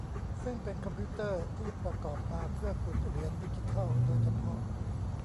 ซึ่งเป็นคอมพิวเตอร์ที่ประกอบมาเพื่อขุดเหรียญดิจิทัลโดยเฉพาะ